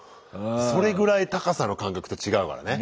それぐらい高さの感覚って違うからね。